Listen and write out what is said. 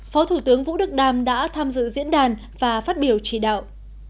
phó thủ tướng vũ đức đam đã tham dự diễn đàn và phát biểu chỉ đạo